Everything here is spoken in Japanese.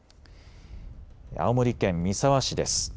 青森県三沢市です。